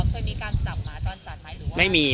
เคยมีการจับหมาตอนจัดไหม